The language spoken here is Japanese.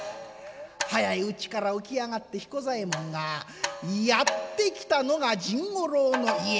早いうちから起き上がって彦左衛門がやって来たのが甚五郎の家。